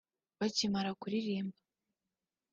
Bakimara kuririmba